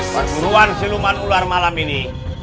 perburuan siluman ular malam ini